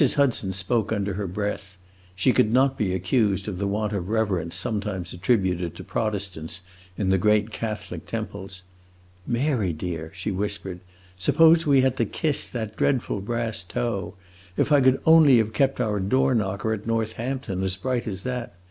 Hudson spoke under her breath; she could not be accused of the want of reverence sometimes attributed to Protestants in the great Catholic temples. "Mary, dear," she whispered, "suppose we had to kiss that dreadful brass toe. If I could only have kept our door knocker, at Northampton, as bright as that!